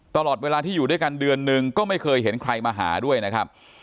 ตลอดเวลาที่อยู่ด้วยกันเดือนหนึ่งก็ไม่เคยเห็นใครมาหาด้วยนะครับ